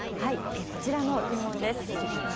こちらの疑問です。